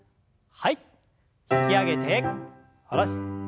引き上げて下ろして。